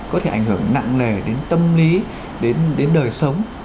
có thể ảnh hưởng nặng nề đến tâm lý đến đời sống